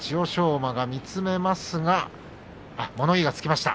馬が見つめますが物言いがつきました。